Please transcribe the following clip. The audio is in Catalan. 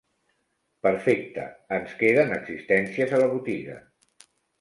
Perfecte, ens queden existències a la botiga.